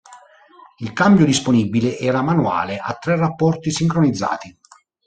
Il cambio disponibile era manuale a tre rapporti sincronizzati.